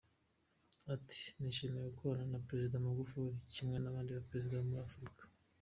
Ati “Nishimiye gukorana na Perezida Magufuli kimwe n’abandi ba perezida bo muri Afurika.